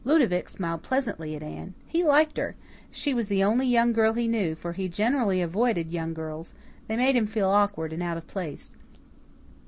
Ludovic smiled pleasantly at Anne. He liked her; she was the only young girl he knew, for he generally avoided young girls they made him feel awkward and out of place.